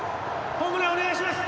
ホームランお願いします。